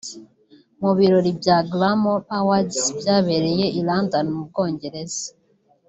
Mu birori bya “Glamour Awards” byabereye i London mu Bwongereza